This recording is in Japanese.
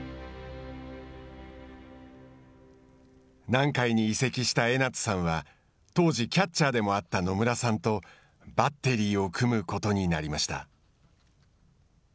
南海に移籍した江夏さんは当時、キャッチャーでもあった野村さんとバッテリーを組むことになりました。